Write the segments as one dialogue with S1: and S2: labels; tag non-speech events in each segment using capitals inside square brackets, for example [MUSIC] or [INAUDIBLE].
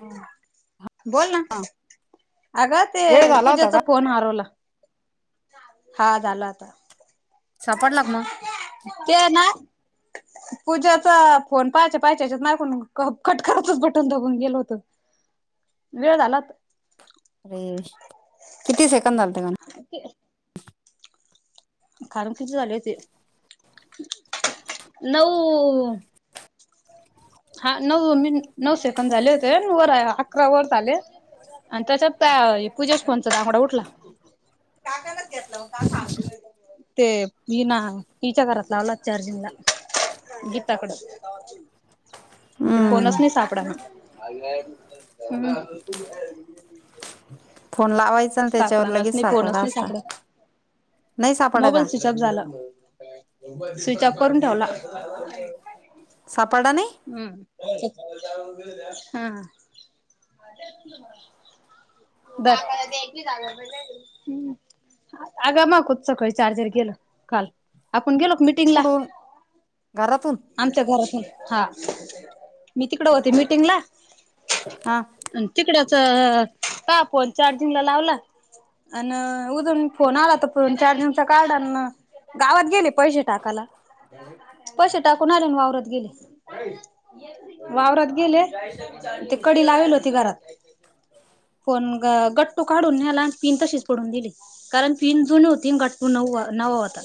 S1: हा
S2: बोल ना. अग ते
S1: वेळ झाला होता का?
S2: पूज्याचा फोन हरवला. हा झालं आता.
S1: सापडला का मग?
S2: ते आहे ना. पूजाचा फोन पाच्या पाच्या मागून कट करतच बटन दाबून गेलो होतो.
S1: [INAUDIBLE]
S2: वेळ झालात
S1: अरे किती सेकंद झालते मग?
S2: अे [INAUDIBLE] खण [UNINTELLIGIBLE] किती झाले ते? नऊ हा नऊ मि नऊ सेकंद झाले होते. वर अकरा वर झाले. आणि त्याच्यात पूजेश फोनचा दाभाडा उठला. टाकायला घेतला होता खास. ते मी ना तिच्या घरात लावला चार्जिंगला, गीताकड ते फोणच
S1: हम्म
S2: नाही सापडणार.
S1: फोन लावायचा ना त्याच्यावर लगेच
S2: फोनच
S1: सापडला
S2: नाही
S1: असता.
S2: सापडा
S1: नाही सापड
S2: मोबाईल
S1: का?
S2: स्विच ऑफ झाला. स्विच ऑफ करून ठेवला. होे [INAUDIBLE]
S1: सापडला नाही?
S2: हम् हा [INAUDIBLE]
S1: [INAUDIBLE]
S2: दरका ली जाग [UNINTELLIGIBLE] आग मागकूत सकाळी चार्जर गेलो काल, आपण गेलो मि
S1: कुठून, घरातून
S2: आमच्या घरातून, हा मी तिकडं होते मिटिंगला
S1: आ.
S2: आणि तिकडच तू आ फोन चार्जिंग ला लावला. आन उजून फोन आला तर फोन चार्जिंगचा काडला गावात गेले. पैसे टाकायला, पैसे टाकून आले वावरात गेले. वावरात गेले ते कडी लावेल होती घरात. पण गट्टू काढून् नेला, पिन तशीच पडून दिली. कारण पीन जुन होती, गट्टू न नवा होता.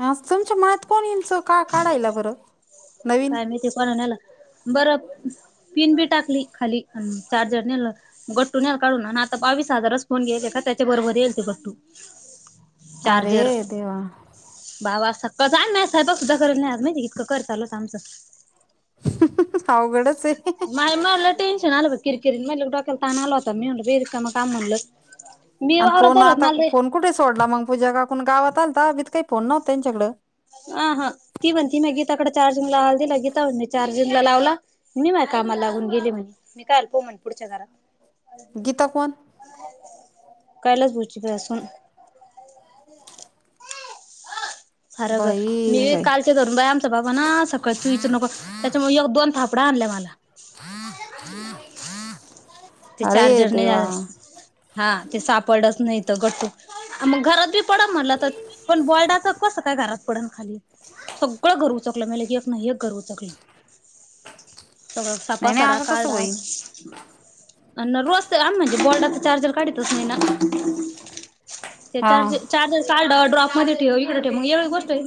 S1: ह तुमच्या मात कोण इंच का काढायला बंर.
S2: काय माहिती कोणी नेला. बरं पिन बी टाकली खाली आणि चार्जर नेला. गट्टू न्याल काढून, आणि आता बावीस हजारच फोण गेले का त्याच्या बरोबर येईल ते गट्टू.
S1: [INAUDIBLE]
S2: चार्जर,
S1: अरे देवा
S2: बाबा सक्कां जा नाही साहेब सुद्धा करेल नाही आ माजे इतकं कर चालू आमचं,
S1: अवघडच आहे.
S2: माय म टेन्शन आलं ब किरकिरीन म डोक्याला तान आला होता. मी म्हनल बे रिकाम काम म्हणलं मी
S1: आणि
S2: वावरतत
S1: फोन
S2: दररोज
S1: आता
S2: ना लय
S1: फोन कुठे सोडला मग पूजा काकु गावात आलता, तीथ काही फोन नव्हता त्यांच्याकडं.
S2: आ हा ती म्हणती मी गीताकडे चार्जिंगला लावायला दिला, गीता म्हणती चार्जिंगला लावला. मी माझ कामाला लागून गेले म्हणे, मी काल पाहू म्हणे पुढच्या दा.
S1: गीता कोन?
S2: कैलास भाऊजी तुझ्या सून. फारग मी
S1: बाई बाई
S2: काल ते धरून दय आमचं बाबा ना सकाळं तू विचारू नको त्याच्यामुळे दोन थापडा हाणल्या मला. का [INAUDIBLE] ते
S1: अरे
S2: चार्जर नाही
S1: देवा.
S2: हा, ते सापडच नाही तर गटू. मग घरात बी पडन म्हटलं तर, पण बॉर्डाच कसं काय घरात पडन खाली? सगळं घर उचकलं म्हलं की, एक नाही एक घर उचकलं.
S1: [UNINTELLIGIBLE]
S2: रोजचां
S1: नाही
S2: कसांरा
S1: नाही असं कसं
S2: काढां
S1: होईल?
S2: रोज तरं आं म्हणजे बॉल्डांचा चार्जर काढायचं नाहीं नां ते
S1: हा
S2: चार्जर चार्जर चाल डॉपमध्यें ठेवं इकं ठेव मंग एवढं गोष्टोय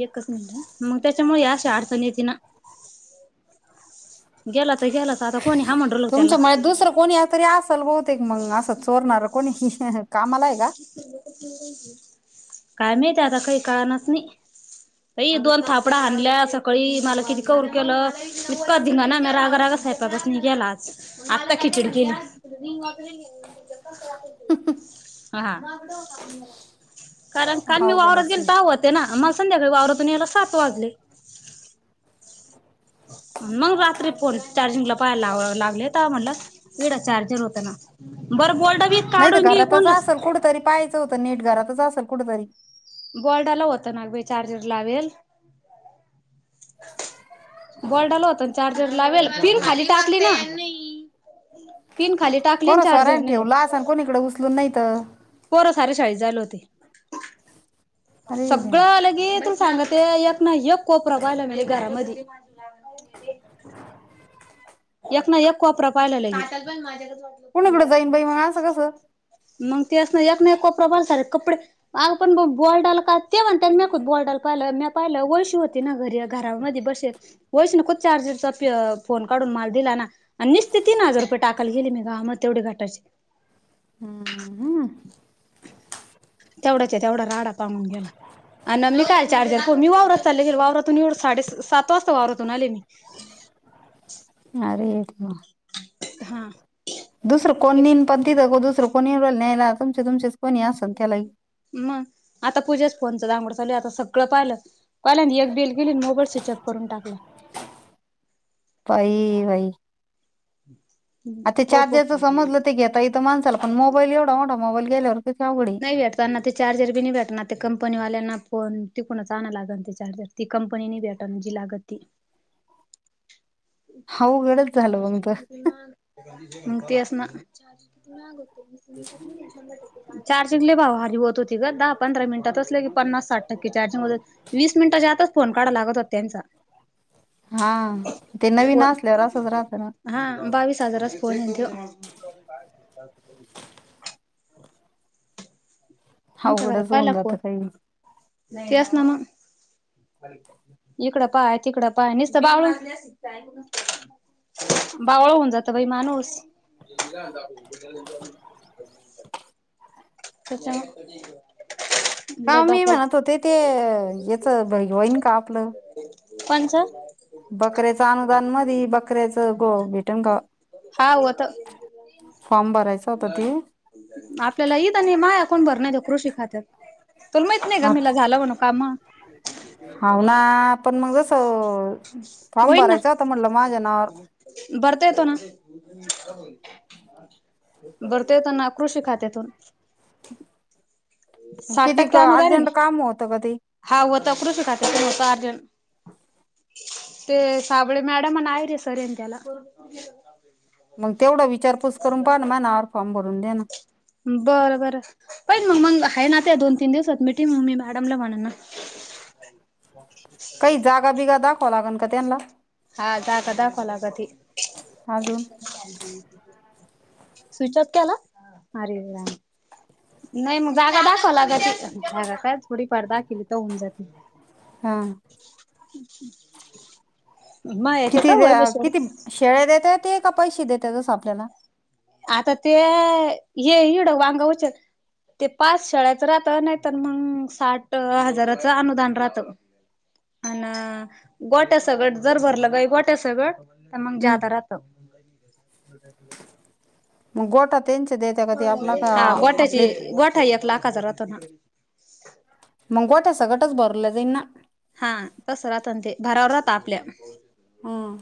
S2: एकचं मिनिटं मंग त्यांच्यामुळे यांश अडचंण येते नां गेलां तरं गेलां तरं आंता कोणी हां म्हंडल
S1: तुमच्यांमुळे दुसरं कोणी तरी असलं बहुतेक मंग असं चोरणारं कोणी कामांला आहे कां
S2: कायं माहीत आंता कांहीं कारणंच नाहीं अई दोन थांपड हल्यां सकाळीं मलां किती कौर केलं इतकां धंगा नां म रांगा रांगा साहे पासनी गेलां आंत्ता खिचडी केली हां कारणं कांल मी वांवरातं
S1: अवघडच
S2: गेली
S1: आहे
S2: तेव्हां होतां ते नां मलां संध्याकाळी वावरांतून यांयला सात वाजले मंग रात्री फोन चार्जिंगला पाहायंला लां लागले तेंव्हा म्हणलां एढं चार्जर होतां नां बरं बोलड बी
S1: नाहीं तरं
S2: काढून घे
S1: घरांतच
S2: कोणलाच
S1: असेल कुठेतरी पाहायचं होतं नीट घरांतच असेल कुंठेतरी
S2: बॉल्डाला होतं नां चार्जर लावेल बॉलडालां होतां चार्जर लावेल पिन खांली टाकली नां
S1: [INAUDIBLE] [UNINTELLIGIBLE]
S2: पिन खांली टांक
S1: पोरं स्वरांचे ठेवलं असं आणि कोणी इकडे उचलूंन नाहीं तरं
S2: पोरं सार्या शाळेंत झालं होते
S1: अरे देवा.
S2: सगळं आलं की तुम्ही सांग ते एक नाहीं एक कोपरा पाहिला म्हटलं घरांमध्ये एक नां एक कोपरां पाहिले लायाक
S1: कोणीकडे जाईन बाई मंग असं कसं
S2: मंग ते असं नाहीं एक नाहीं कोपरां बलं से कपडे अगं पणं बॉलडाल कां ते म्हणतांत मं खूंत बॉलडालां पाहिलं म पाहिलं वैयशू होती नां घरी घरांमध्ये बसेल वैशून खूदं चारर्जरचा फोन काढूंन मांल दिलां नां आणि निसते तीनं हजांर रुपये टाकायंला गेली मीगा मंग तेवढे घटांची
S1: हां
S2: तेवढांच आहे तेवढां रांडा पांगून गेलां अं न मी कायं चार्जर हो मी वांवरात चालले वांवरातून एवढं साडे सात वाजतां वांवरातून आले मी
S1: अरेे देवां
S2: हां
S1: दुसरं कोणी पणं तिथं दुसरं कोणी न्यांयला तुमचे तुमचं कोणी असेल त्यांला
S2: मंग आंता पूजेच फोनच दांगोड चालूं आंता सगळं पाहिलं पाहिलं कांहिला एकडेल गेली मोबाईल स्विचअप करूंन टाकला
S1: बाई बाई
S2: ह [UNINTELLIGIBLE]
S1: आं ते चार्जरचं समजलं ते घेतां येतं माणसांला पणं मोबाईल एवढां मोठान मोबाईल गेल्यांवर तुती आवघडी
S2: त्यांना ते चार्जर बी नाहीं भेटणांर ते कंपनीवाल्यांना फोन तिकूंनणच आणगं लागलं ते चार्जर ती कंपनीनी भेटतं जी लागतं ती
S1: अवघडचं झालं मंग तरं
S2: ह म [UNINTELLIGIBLE] मंग तेचं नं चार्जिंग लय भाव हारी होत होती ग दहा पंधरा मिनिटातच लगे पन्नास साठ टक्के चार्जिंग होत वीस मिनिटांच्या आतचं फोन काढावा लागतं होता त्यांचा.
S1: हा ते नवीन
S2: फोन
S1: असल्यावर असंच राहत ना.
S2: हा बावीस हजारच फोन हाय न त्यो आमच्या घरात
S1: अवघडच होऊन
S2: पहिला फोन
S1: जातं काही
S2: तेच न मंग इकडं पाय तिकडं पाय निसत बावल बावळ्या होऊन जात बाई माणूस त्याच्या
S1: अ मी म्हणतं होते ते याच द होईन का आपलं.
S2: कोणचं?
S1: बकऱ्याच अनुदान मधी बकऱ्याचं गो भेटण का ओ
S2: का होत
S1: फॉर्म भरायचा होता ते
S2: आपल्याला इथं माया कोण भर नाय तो कृषी खात्यात तुला माहित नाय का
S1: हा
S2: मीला झालं म्हणु काम
S1: हाव ना पण मग असं फार्म भरायचं होता म्हणलं माझ्या नावावर.
S2: बरता येतो न बरता येतोय ना कृषी खात्यातुन
S1: किती क
S2: आहे
S1: अर्जंट
S2: ना
S1: काम होतं का ते
S2: हा होत कृषी खात्यातून होत अर्जंट ते साबळे मॅडम अनं आहिरे सर ये ना त्याला
S1: मगं तेवढं विचारपूस करून पाहा ना माआ नावावरं फॉर्म भरून द्याना.
S2: बरं बरं पहिलं मंग मगं हाय ना त्या दोन तीन दिवसात मिटींग मगं मी मॅडमला म्हणन ना [UNINTELLIGIBLE]
S1: काही जागा बिगा दाखवाव लागन का त्यांला
S2: हा जागा दाखवा लागती.
S1: अजून
S2: स्विचऑप केला अरे राम नाय मगं जागा दाखवा लागती जागा काय थोडीफार दाखीली तर होऊन जाती.
S1: हा
S2: [UNINTELLIGIBLE] मग याच्यात
S1: किती दे
S2: वहिले
S1: अ
S2: सोड
S1: किती शेळ्या देत्याती का पैसे देत्यात तसं आपल्याला.
S2: आता ते हे ईड वांगा उचेलं ते पाच शेळ्याचं राहत नायतर मगं साठ हजाराचं अनुदान राहतं. हा ना गोट्या सगट जर भरलं गई गोट्या सगट तर मगं
S1: हम्म.
S2: जादा राहतं.
S1: म गोठात त्यांच देतं
S2: हा गोठ्याची गोठा एक लाखाचा राहतो ना
S1: मगं गोटा सकटच भरलं जाईन ना
S2: हा तसं राहतं न ते भरावर राहातं आपल्या
S1: हां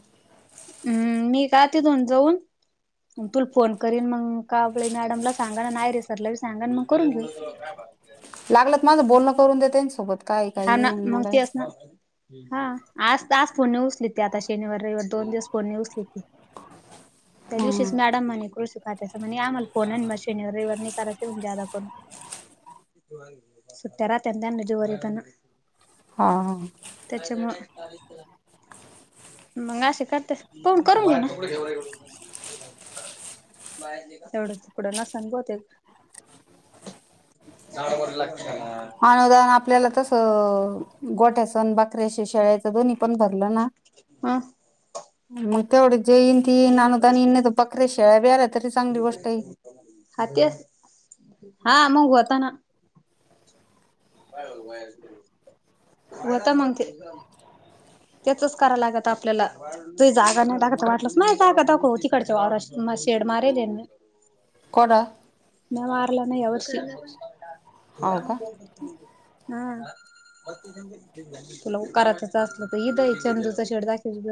S2: हम्म मी का तिथून जऊन मंग तुला फोन करीन मगं काबले मॅडमला सांगन अनं आयरे सरला बी सांगन मग करून घेऊ.
S1: लागलंत माझं बोलणं करून दे तेन सोबत
S2: हां ना. मगं तेच ना. हा. आज टास्कये म्हणून उचलील ति. आता शनिवार, रविवार दोन दिवस फोन नाही उचलीत ते. त्या
S1: हं.
S2: दिवशीच मॅडम म्हणे, कृषी खात्याचे म्हणे आम्हाला- फोन आणि म शनिवार, रविवार नाही करायचा म्हणे जादा करून. सुट्ट्या राहतात ना [UNINTELLIGIBLE] त्यांना.
S1: हा.
S2: त्याच्यामुळं. मग असे करत्या. फोन करून घ्याना. तेवढं तुकडं नसन बहुतेक. [UNINTELLIGIBLE]
S1: [UNINTELLIGIBLE] आपल्याला कस गोठ्या सण बकऱ्या शेळेच दोन्ही पण भ-
S2: हं
S1: मग तेवढ जे येईल ती [UNINTELLIGIBLE] बकरे शेळ्या बीळ्या राहात्या ती चांगली गोष्ट आहे.
S2: [UNINTELLIGIBLE] हा. मग होताना. होता मग ते. त्यांचंच करावं लागतं आपल्याला. तु जागा नाही दाखवत वाटल्यास. मायी जागा दाखव तिकडच्या वावरात शेड मारेले ना मी.
S1: कोण-
S2: नाही मारला [UNINTELLIGIBLE]
S1: हो का
S2: हम्. तुला करायचंच असलं तर इथं ए चंदूचा शेड दाखवेल म.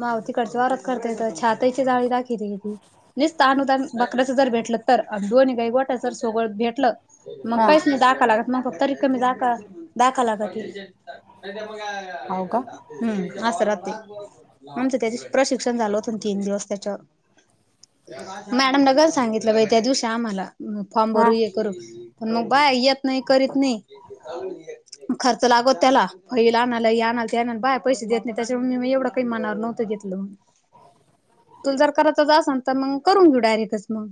S2: मावतीकडच वावरात करताएत छाताची जाळी दाखवली ती. नुसत अनुदान बकऱ्याच जर भेटलं तर, आणि दोन्ही गाई गोठ्या जर सोबत भेटलं- मग
S1: हा
S2: काहीच नाही. दाखवा [UNINTELLIGIBLE] मग तरी पण दा दाखा [INAUDIBLE]
S1: हो का
S2: हम्म. असं राहत. आमचं त्यादिवशी प्रशिक्षण झालं होतं तीन दिवस त्याच्यावर. मॅडम न [UNINTELLIGIBLE] सांगितलं बाई त्या दिवशी आम्हाला. फार्म भरू
S1: हा
S2: हे करू. पण मग बाया येत नाही करीत नाही. खर्च लागतो त्याला. फैल आणाला ह्याना तेना. आणि बाया पैसे देत नाही. त्याच्यामुळे मी मग एवढं काही मनावर नव्हत घेतलं मी.
S1: हो
S2: तुला जर करायचच असल तर मग करून घेऊ डायरेक्टच मग.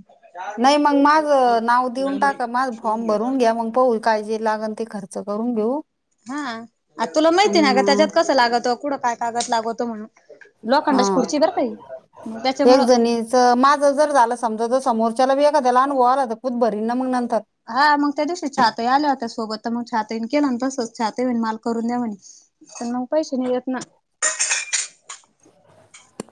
S1: नाही मग माझ नाव देऊन टाका. माझ फॉर्म भरून घ्या मग- पाहू. काय जे लागल ते खर्च करून घेऊ.
S2: हा. आ तुला माहितीय ना का त्याच्यात
S1: अन,
S2: कसं लागत? कुठं काय कागद लागतो म्हणून.
S1: हा
S2: लोखंडाची खुर्ची आहे बरं का ही. मग
S1: एक
S2: त्याच्यामुळं-
S1: जणीच माझं जर झालं समजा ज समोरच्याला बी एखाद्याला अनुभव आला तर खुद भरील ना मग नंतर.
S2: हा. मग त्या दिवशी छाताई आल्या होत्या सोबत. तर मग छाताईन केलं ना तसंच. छाताई म्हणाल्या मला करून द्या म्हणे. प मग पैसे मीळेत ना.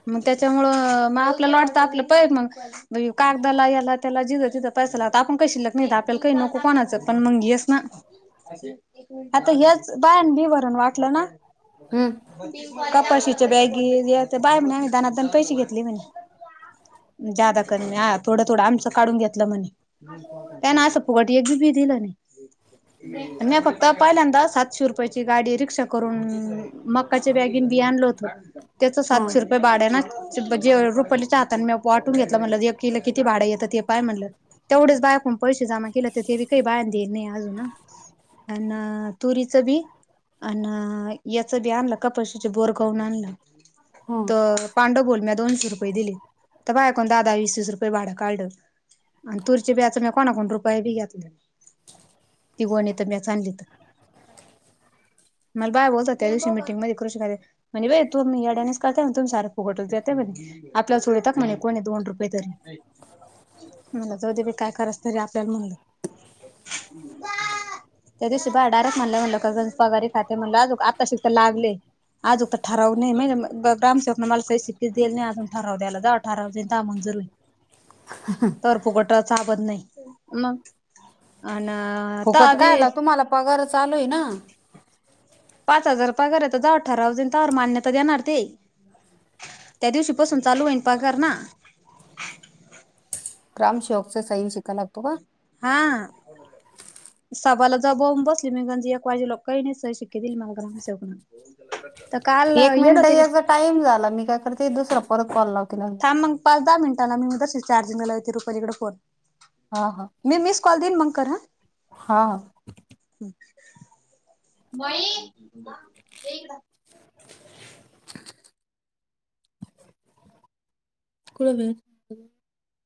S2: मग त्याच्यामुळं मग आपल्याला वाटत आपलं प मग- ब कागदाला याला त्याला जिथ तिथं पैसा लागतो. आपली काय शिल्लक नाही आपल्याला काही नको कोणाचं. पण मंग हेच ना.
S1: ह
S2: आता हेच बायान बिवरण वाटलं ना?
S1: हम.
S2: कपाशीच्या बॅगी [UNINTELLIGIBLE] बाया म्हणे दणा दण पैसे घेतले म्हणे. जादा कर हां. थोडं थोडं आमचं काढून घेतलं म्हणे. ते न अस फुगटी एक बी - बीधल नई. म्या फक्त पाहिल्यांदा सातशे रुपयाची गाडी रिक्षा करून मकाची बॅग बि आणल होत, त्याच
S1: हा.
S2: सातशे रुपय भाड्यान जे- ब - जे रुपलीच्या हातन मी वाटून घेतलं म्हणलं इककिला किती भाड येत हे पाय म्हणलं? तेवढेच बायकून पैसे जमा केले तर ते बी काही बायन देल नाही अजून न. अन तुरीचं बी? अन याच बी आणलं कपाशीचे बोरगाऊन आणला. त पांडव बोल म्या दोनशे रुपये दिले, तर बायकोण दाहदा वीस वीस रुपये भाडं काढलं. अण तुरची ब्याच म्या कोणाकडण रुपये बी घेतला ती गोणी तर म्याच आणली त. मला बाय बोलतात त्या दिवशी मिटिंग मध्ये कृषा [UNINTELLIGIBLE] म्हने बाई तू येड्या वाणीच करते न तुमच्या आन फुगटच देते ते म्हणे, आपल्याला सोडीतात म्हने कोनी दोन रुपये तर? म्हनल जाऊदे बी काय कराच तरी आपल्याला म्हणलं, [UNINTELLIGIBLE] त्या दिवशी बा डायरेक्ट म्हणला म्हणलं [UNINTELLIGIBLE] पगारी खाते म्हणल अजुक आत्ताशि तर लागले. आजुन तर ठराव नाही मीन म ग- ग्रामसेवक न मला सही शिक्के दिले नाही अजून ठराव द्याला जावा ठराव दिलता मंजूर होई
S1: [INAUDIBLE]
S2: कर फुगट चाबत नाही, मग, अन तवा
S1: फुकट
S2: बी
S1: कायला तुम्हाला पगार चालूये ना.
S2: पाच हजार पगारे तर जाव ठराव देन तर मान्यता देणार ते. त्या दिवशी पासून चालू होईन पागार ना.
S1: ग्रामसेवकच सही शिका लागतो का?
S2: हा. सभला जा बऊून बसली मी गंज एक वाजेलो कही नाही सही शिक्के दिले मला ग्रामसेवकन. तर काल
S1: एक
S2: येल
S1: मिनिट
S2: होते की
S1: येज टाइम झाला मी काय करते दुसरा परत कॉल लावते ल
S2: आ मग पाच दहा मिनटांना मी तशीच चार्जिंगला लावीती रुपालीकड फोन.
S1: हा हा
S2: मी मिस कॉल दिन मंग कर ह.
S1: हा हा
S2: मइ
S1: कुळवे